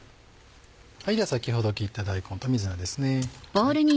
先ほど切った大根と水菜ですね。